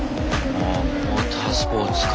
ああモータースポーツか。